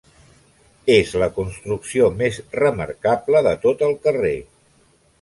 És la construcció més remarcable de tot el carrer.